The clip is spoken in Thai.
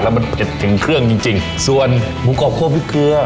แล้วมันจะถึงเครื่องจริงจริงส่วนหมูกรอบคั่วพริกเกลือ